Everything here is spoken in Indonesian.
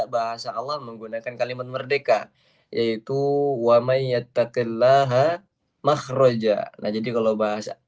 bahasa allah menggunakan kalimat merdeka yaitu wa mayatakillaha makhroja nah jadi kalau bahasa